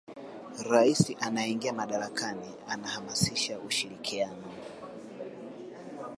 rais anayeingia madarakani anahamasisha ushirikiano